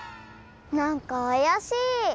なんかあやしい。